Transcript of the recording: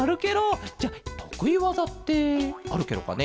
じゃあとくいわざってあるケロかね？